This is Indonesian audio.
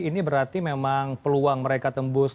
ini berarti memang peluang mereka tembus